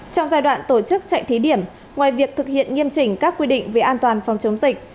trong giai đoạn tổ chức chạy thí điểm ngoài việc thực hiện nghiêm chỉnh các quy định về an toàn phòng chống dịch